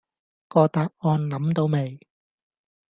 個答案諗到未